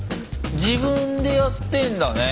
自分でやってんだね。